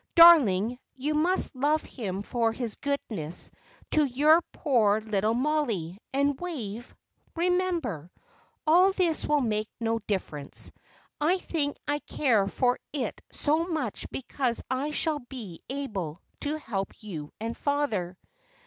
Darling, you must love him for his goodness to your poor little Mollie; and Wave, remember, all this will make no difference. I think I care for it so much because I shall be able to help you and father."